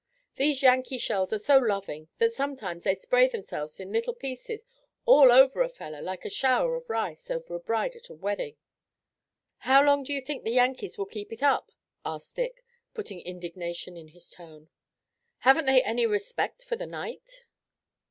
These Yankee shells are so loving that sometimes they spray themselves in little pieces all over a fellow, like a shower of rice over a bride at a wedding." "How long do you think the Yankees will keep it up?" asked Dick, putting indignation in his tone. "Haven't they any respect for the night?"